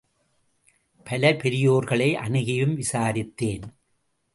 பல பெரியோர்களை அணுகியும் விச்சாரித்தேன்.